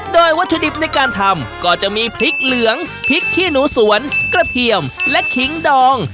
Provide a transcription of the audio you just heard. โดยวัตถุดิบในการทำก็จะมีพริกเหลืองพริกขี้หนูสวนกระเทียมและขิงดอง